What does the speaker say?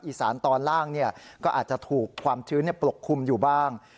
อีสานตอนล่างก็อาจจะถูกความชื้นปกคลุมอยู่บ้าง